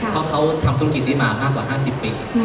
เพราะเขาทำธุรกิจนี้มามากกว่า๕๐ปี